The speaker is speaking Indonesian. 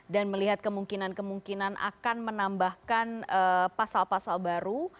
dan melihat kemungkinan kemungkinan akan menambahkan pasal pasal baru